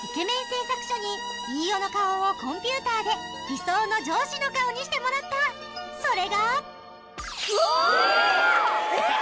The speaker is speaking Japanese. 製作所に飯尾の顔をコンピューターで理想の上司の顔にしてもらったそれがうわえっ